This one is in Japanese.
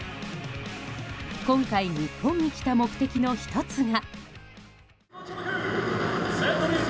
今回、日本に来た目的の１つが。